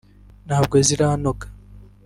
ntabwo ziranoga